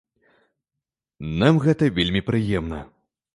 Нам гэта вельмі прыемна.